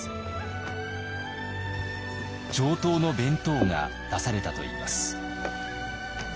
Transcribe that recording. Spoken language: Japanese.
上等の弁当が出されたといいます。